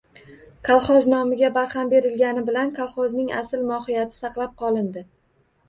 «Kolxoz» nomiga barham berilgani bilan, kolxozning asl mohiyati saqlab qolindi